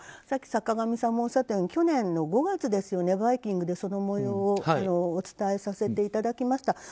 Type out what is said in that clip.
さっき坂上さんもおっしゃったように去年の５月に「バイキング」で、そのもようをお伝えさせていただきました。